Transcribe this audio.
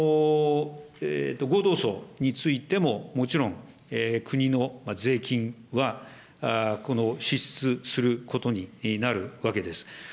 合同葬についても、もちろん、国の税金はこの支出することになるわけです。